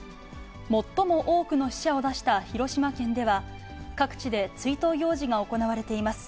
最も多くの死者を出した広島県では、各地で追悼行事が行われています。